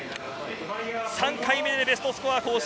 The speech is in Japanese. ３回目でベストスコア更新。